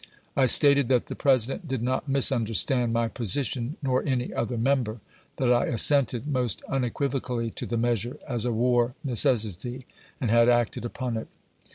I stated that the President did not misunderstand my position, nor any other member ; that I assented most unequiv ocally to the measure as a war necessity, and had acted upon it.